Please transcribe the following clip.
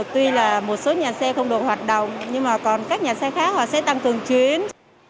tuy là một số nhà xe không được hoạt động nhưng mà còn các nhà xe khác họ sẽ tăng thường chuyến